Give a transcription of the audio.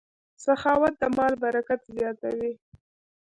سخاوت د مال برکت زیاتوي.